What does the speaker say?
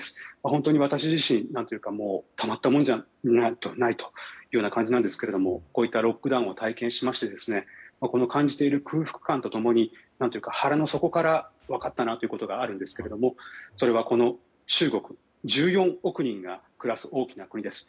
本当に私自身たまったもんじゃないという感じですがこういったロックダウンを体験しまして感じている空腹感とともに腹の底から分かったなということがあるんですがそれはこの中国１４億人が暮らす大きな国です。